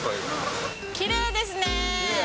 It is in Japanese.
きれいですね。